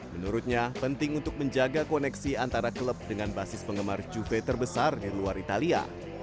menurutnya penting untuk menjaga koneksi antara klub dengan basis penggemar juve terbesar di luar italia